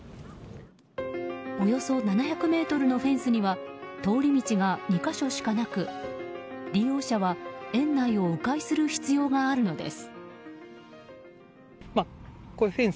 およそ７００ｍのフェンスには通り道が２か所しかなく利用者は園内を迂回する必要があるのです。